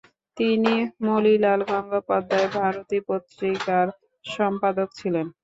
তিনি ও মণিলাল গঙ্গোপাধ্যায় 'ভারতী' পত্রিকার সম্পাদক ছিলেন।